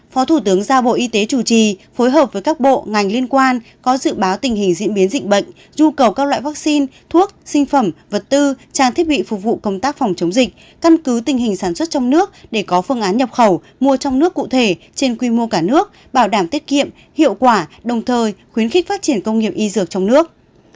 phó thủ tướng ra bộ y tế chủ trì phối hợp với các bộ ngành liên quan có dự báo tình hình diễn biến dịch bệnh du cầu các loại vaccine thuốc sinh phẩm vật tư trang thiết bị phục vụ công tác phòng chống dịch căn cứ tình hình sản xuất trong nước để có phương án nhập khẩu mua trong nước cụ thể trên quy mô cả nước bảo đảm tiết kiệm hiệu quả đồng thời khuyến khích phát triển công nghiệp y dược trong nước